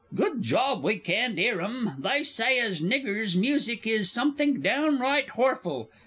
Good job we can't 'ear 'em. They say as niggers' music is somethink downright horful.